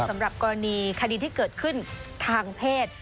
สำหรับกรณีคดีที่เกิดขึ้นทางเพศ